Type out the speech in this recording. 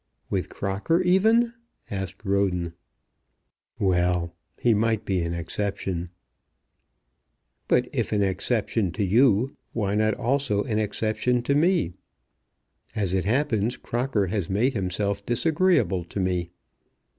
"With Crocker even?" asked Roden. "Well; he might be an exception." "But if an exception to you, why not also an exception to me? As it happens, Crocker has made himself disagreeable to me.